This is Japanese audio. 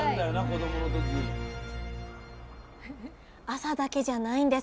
朝だけじゃないんです。